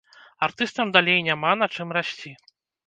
Артыстам далей няма на чым расці.